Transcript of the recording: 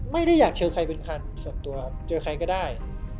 ไม่ได้อยากเจอใครเป็นคันส่วนตัวเจอใครก็ได้